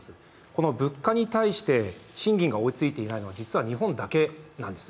この物価に対して賃金が追いついていないのは実は日本だけなんです。